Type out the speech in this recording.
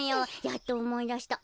やっとおもいだした。